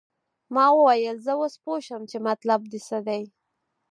ما وویل زه اوس پوه شوم چې مطلب دې څه دی.